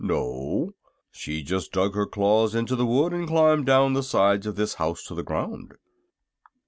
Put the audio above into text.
"No; she just dug her claws into the wood and climbed down the sides of this house to the ground."